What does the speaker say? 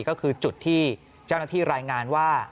ก็คือจุดที่เจ้าหน้าที่รายงานว่า